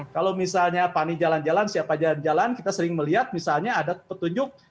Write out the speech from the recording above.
kalau misalnya panik jalan jalan siapa jalan jalan kita sering melihat misalnya ada petunjuk